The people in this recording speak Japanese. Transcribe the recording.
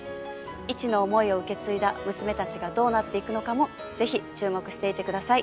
市の思いを受け継いだ娘たちがどうなっていくのかも是非注目していて下さい。